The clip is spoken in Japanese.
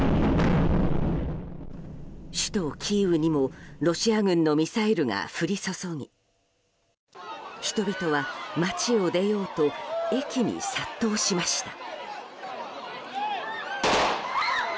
首都キーウにもロシア軍のミサイルが降り注ぎ人々は、街を出ようと駅に殺到しました。